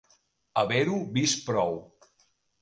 Haver-ho vist prou.